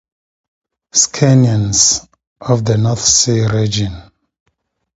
"Scaniornis" of the North Sea region.